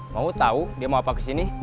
mau tahu dia mau apa kesini